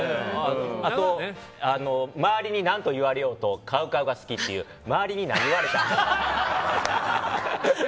あと、周りに何と言われようとＣＯＷＣＯＷが好きっていう周りに何を言われたん？